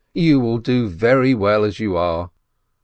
You will do very well as you are."